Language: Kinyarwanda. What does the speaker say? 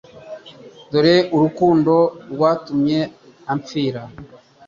dore urukundo rwatumye amfira